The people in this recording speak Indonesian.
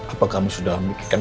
apakah kamu sudah memikirkan